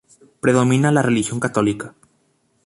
Predomina la religión católica.